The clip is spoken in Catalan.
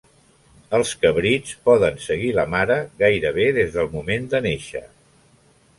Els cabrits poden seguir la mare gairebé des del moment de néixer.